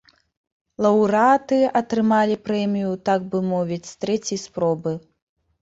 Лаўрэаты атрымалі прэмію, так бы мовіць, з трэцяй спробы.